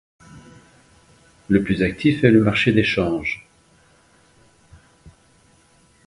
Le plus actif est le marché des changes.